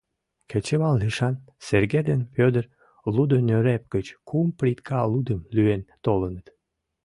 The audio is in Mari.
Кечывал лишан Серге ден Пӧдыр «лудо нӧреп» гыч кум притка лудым лӱен толыныт.